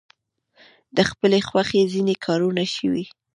د خپلې خوښې ځینې کارونه شوي.